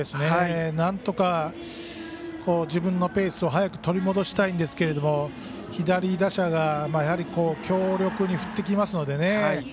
なんとか自分のペースを早く取り戻したいんですけれども左打者が強力に振ってきますので。